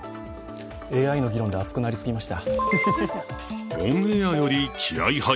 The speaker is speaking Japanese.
ＡＩの議論で熱くなりすぎました。